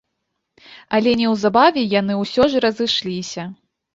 Але неўзабаве яны ўсё ж разышліся.